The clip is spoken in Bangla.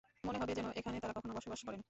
মনে হবে যেন এখানে তারা কখনও বসবাস করেনি।